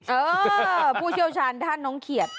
เออผู้เชี่ยวชาญด้านน้องเขียด